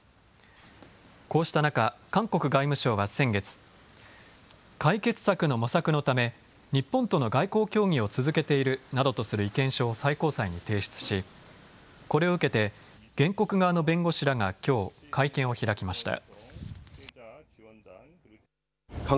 こうした中、韓国外務省は先月、解決策の模索のため日本との外交協議を続けているなどとする意見書を最高裁に提出し、これを受けて原告側の弁護士らがきょう会見を開きました。